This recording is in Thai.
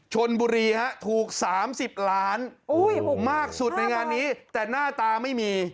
ชนบุรีฮะถูก๓๐ล้านมากสุดในงานนี้แต่หน้าตาไม่มี